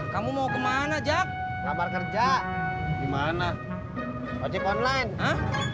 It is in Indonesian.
kamu mau kemana jack kabar kerja gimana online